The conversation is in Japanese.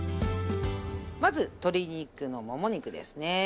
まず鶏肉のもも肉ですね。